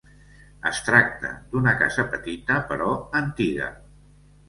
Es tracta d'una casa petita, però antiga.